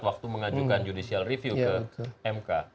waktu mengajukan judicial review ke mk